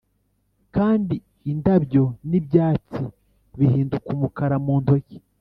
kandi indabyo n'ibyatsi bihinduka umukara mu ntoki